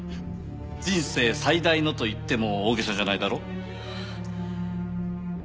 人生最大のと言っても大げさじゃないだろう？